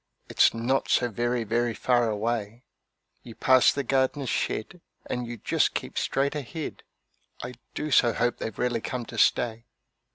It's not so very, very far away; You pass the gardner's shed and you just keep straight ahead I do so hope they've really come to stay.